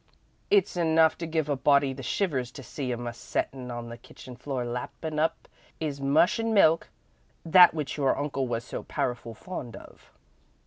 It's enough to give a body the shivers to see 'im a settin' on the kitchen floor lappin' up 'is mush and milk, the which your uncle was so powerful fond of.